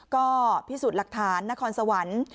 ก็พิสูจน์หลักฐานนครสวรรค์